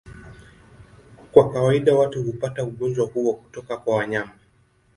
Kwa kawaida watu hupata ugonjwa huo kutoka kwa wanyama.